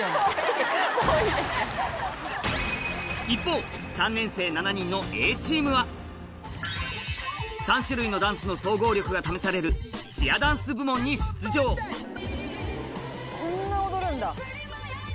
一方３年生７人の３種類のダンスの総合力が試されるそんな踊るんだ！